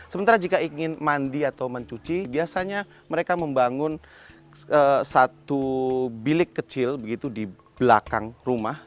sementara jika ingin mandi atau mencuci biasanya mereka membangun satu bilik kecil begitu di belakang rumah